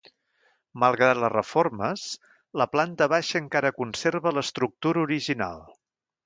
Malgrat les reformes, la planta baixa encara conserva l'estructura original.